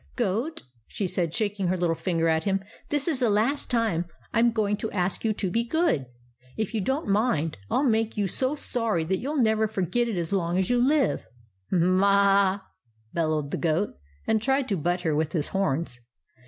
'" Goat," she said, shaking her little fin ger at him. " This is the last time I 'm go* 94 THE ADVENTURES OF MABEL ing to ask you to be good. If you don't mind, I '11 make you so sorry that you '11 never forget it as long as you live." " M m a a a !" bellowed the goat, and tried to butt her with his horns.